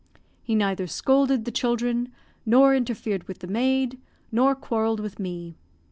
He neither scolded the children nor interfered with the maid, nor quarrelled with me.